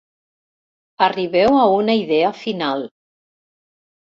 Arribeu a una idea final.